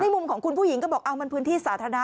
มุมของคุณผู้หญิงก็บอกเอามันพื้นที่สาธารณะ